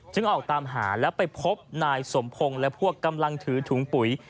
ออกตามหาแล้วไปพบนายสมพงศ์และพวกกำลังถือถุงปุ๋ย